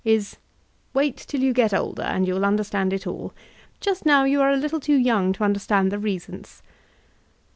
is, '*Wait till you get older, and you will understand it alL Just now you are a little too young to understand the reasons."